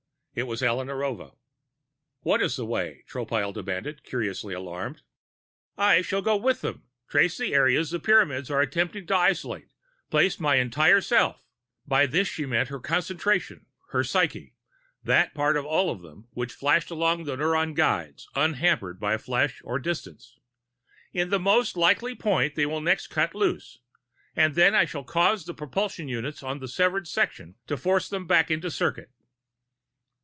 It was Alla Narova. "What is the way?" Tropile demanded, curiously alarmed. "I shall go with them, trace the areas the Pyramids are attempting to isolate, place my entire self " by this she meant her "concentration," her "psyche," that part of all of them which flashed along the neurone guides unhampered by flesh or distance "in the most likely point they will next cut loose. And then I shall cause the propulsion units on the severed sections to force them back into circuit."